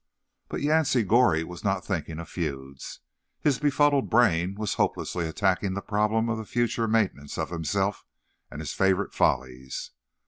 But Yancey Goree was not thinking of feuds. His befuddled brain was hopelessly attacking the problem of the future maintenance of himself and his favourite follies.